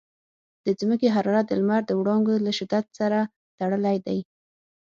د ځمکې حرارت د لمر د وړانګو له شدت سره تړلی دی.